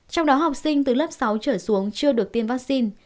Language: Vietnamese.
trong đó học sinh từ lớp sáu trở xuống chưa được tiêm vaccine